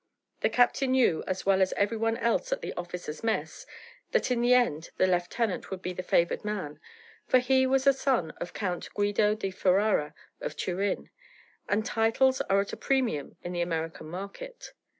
The captain knew, as well as every one else at the officers' mess, that in the end the lieutenant would be the favoured man; for he was a son of Count Guido di Ferara, of Turin, and titles are at a premium in the American market.